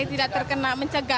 ini minum sendiri atau keluarga